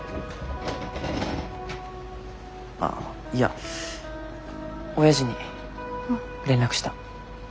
ああいやおやじに連絡した。